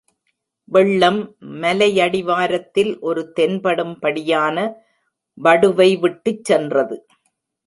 வெள்ளம் மலையடிவாரத்தில் ஒரு தென்படும்படியான வடுவை விட்டுச் சென்றது.